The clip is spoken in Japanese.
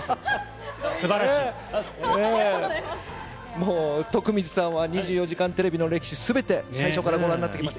もう徳光さんは、２４時間テレビの歴史、すべて最初からご覧になってきました。